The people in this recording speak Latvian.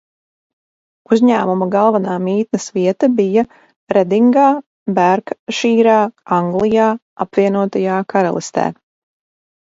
Uzņēmuma galvenā mītnes vieta bija Redingā, Bērkšīrā, Anglijā, Apvienotajā Karalistē.